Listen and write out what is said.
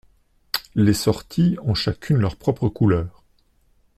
Les sorties ont chacune leur propre couleur.